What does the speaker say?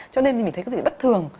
cho nên khi mình thấy có gì bất thường